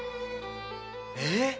えっ！